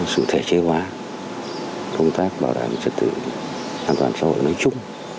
sự thể chế hóa công tác bảo đảm chất tự an toàn xã hội nói chung